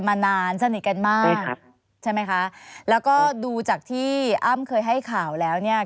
มานานสนิทกันมากใช่ไหมคะแล้วก็ดูจากที่อ้ำเคยให้ข่าวแล้วเนี่ย